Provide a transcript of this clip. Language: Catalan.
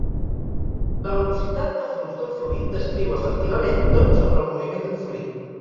La velocitat de flux d'un fluid descriu efectivament tot sobre el moviment d'un fluid.